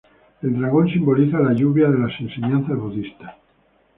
El dragón simboliza la lluvia de las enseñanzas budistas.